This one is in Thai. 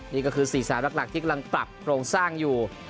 นี่ก็คือ๔๓หลักที่กำลังปรับโครงสร้างอยู่